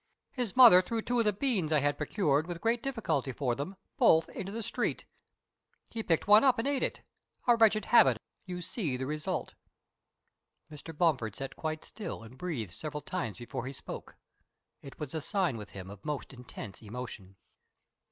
His mother threw two of the beans I had procured with great difficulty for them both into the street. He picked one up and ate it a wretched habit of his. You see the result." Mr. Bomford sat quite still and breathed several times before he spoke. It was a sign with him of most intense emotion.